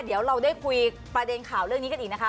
เดี๋ยวเราได้คุยประเด็นข่าวเรื่องนี้กันอีกนะคะ